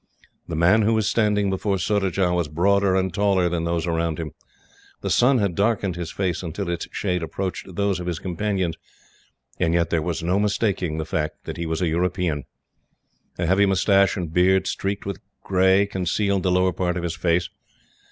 The man who was standing before Surajah was broader and taller than those around him. The sun had darkened his face, until its shade approached those of his companions, and yet there was no mistaking the fact that he was a European. A heavy moustache and beard, streaked with grey, concealed the lower part of his face.